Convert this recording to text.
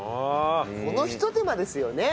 このひと手間ですよね。